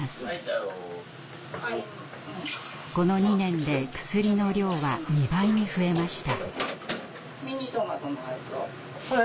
この２年で薬の量は２倍に増えました。